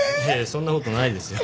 そんなことないですよ。